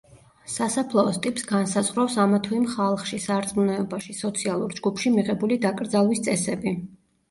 სასაფლაოს ტიპს განსაზღვრავს ამა თუ იმ ხალხში, სარწმუნოებაში, სოციალურ ჯგუფში მიღებული დაკრძალვის წესები.